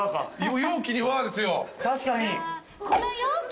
確かに。